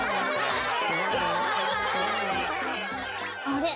あれ？